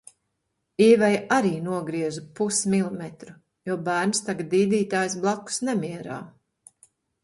Īvei arī nogriezu pus milimetru, jo bērns tak dīdītājs blakus nemierā.